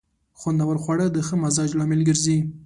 خوندور خواړه د ښه مزاج لامل ګرځي.